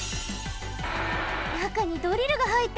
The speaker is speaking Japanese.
なかにドリルがはいってる！